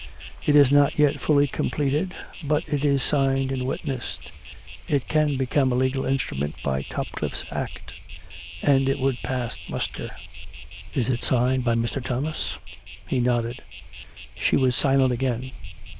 " It is not yet fully completed, but it is signed and wit COME RACK! COME ROPE! 257 nessed. It can become a legal instrument by Topcliffe's act; and it would pass muster "" It is signed by Mr. Thomas ?" He nodded. She was silent again.